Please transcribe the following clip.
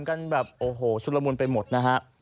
กันแบบโอ้โหชุดละมุนไปหมดนะฮะ